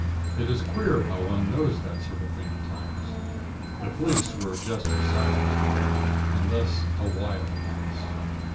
It is queer how one knows that sort of thing at times. The police were just as silent. And thus a while passed.